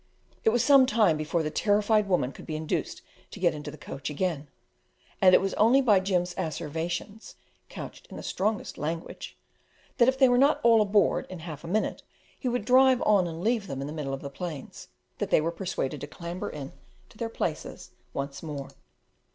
It was some time before the terrified women could be induced to get into the coach again; and it was only by Jims asseverations, couched in the strongest language, that if they were not "all aboard" in half a minute, he would drive on and leave them in the middle of the plains, that they were persuaded to clamber in to their places once more.